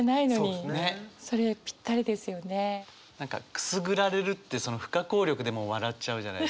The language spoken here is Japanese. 「くすぐられる」って不可抗力でもう笑っちゃうじゃないですか。